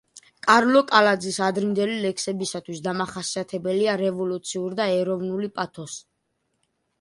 კარლო კალაძის ადრინდელი ლექსებისათვის დამახასიათებელია რევოლუციური და ეროვნული პათოსი.